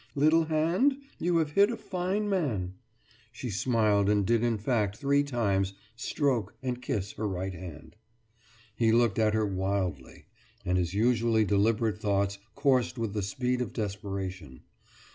Little hand, you have hit a fine man!« She smiled, and did in fact three times stroke and kiss her right hand. He looked at her wildly, and his usually deliberate thoughts coursed with the speed of desperation.